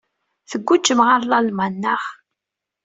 Tguǧǧem ɣer Lalman, naɣ?